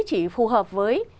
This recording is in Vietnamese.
chỉ phù hợp với